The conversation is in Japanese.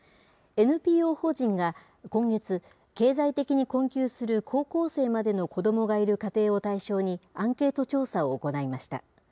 ＮＰＯ法人が今月、経済的に困窮する高校生までの子どもがいる家庭を対象に、アンケート調査を行いました。